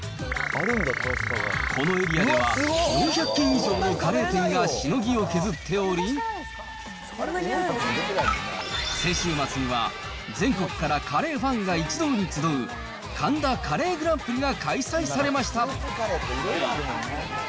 このエリアでは４００軒以上のカレー店がしのぎを削っており、先週末には全国からカレーファンが一堂に集う神田カレーグランプリが開催されました。